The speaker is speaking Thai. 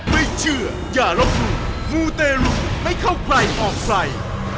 ไม่เชื่ออย่ารบหลุมมูเตรุให้เข้าใกล้ออกไฟ